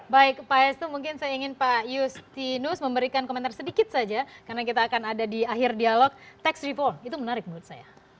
baik pak hestu mungkin saya ingin pak justinus memberikan komentar sedikit saja karena kita akan ada di akhir dialog teks report itu menarik menurut saya